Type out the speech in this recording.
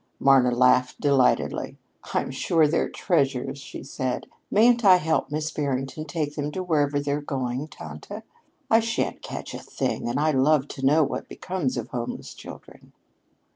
Marna laughed delightedly. "I'm sure they're treasures," she said. "Mayn't I help Miss Barrington take them to wherever they're going, tante? I shan't catch a thing, and I love to know what becomes of homeless children."